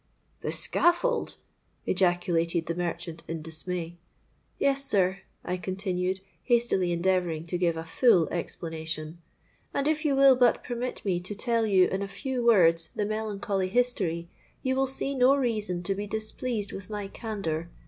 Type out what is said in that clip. '—'The scaffold!' ejaculated the merchant in dismay.—'Yes, sir,' I continued, hastily endeavouring to give a full explanation; 'and if you will but permit me to tell you in a few words the melancholy history, you will see no reason to be displeased with my candour.